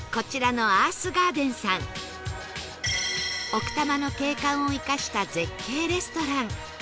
奥多摩の景観を生かした絶景レストラン